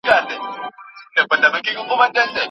که نفوس ډیر سي اقتصادي فشار زیاتیږي.